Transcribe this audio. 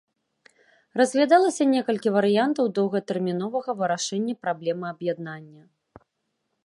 Разглядалася некалькі варыянтаў доўгатэрміновага вырашэння праблемы аб'яднання.